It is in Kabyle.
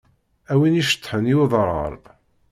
Am win i yeceṭṭḥen i uderɣal.